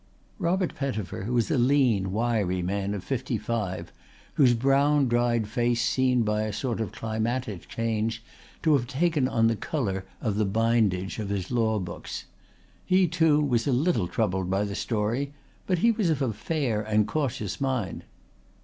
Robert Pettifer was a lean wiry man of fifty five whose brown dried face seemed by a sort of climatic change to have taken on the colour of the binding of his law books. He, too, was a little troubled by the story, but he was of a fair and cautious mind.